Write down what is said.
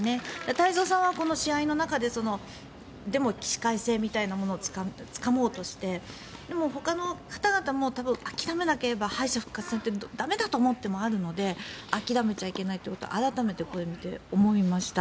太蔵さんはこの試合の中ででも、起死回生みたいなものをつかもうとしてでもほかの方々も多分、諦めなければ敗者復活戦駄目だと思ってもあるので諦めちゃいけないということを改めてこれを見て思いました。